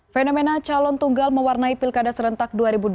fenomena calon tunggal mewarnai pilkada serentak dua ribu dua puluh